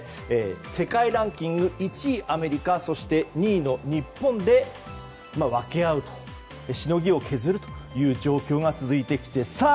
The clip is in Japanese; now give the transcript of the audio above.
世界ランキング１位アメリカ２位の日本で分け合う、しのぎを削るという状況が続いてきてさあ